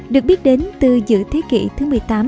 được biết đến từ giữa thế kỷ thứ một mươi tám